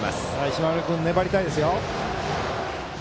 嶋村君、粘りたいですよ。